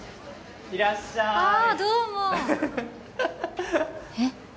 いらっしゃいああどうもえっ？